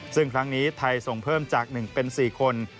ซึ่งครั้งนี้ไทยส่งเพิ่มจาก๑เป็น๔คน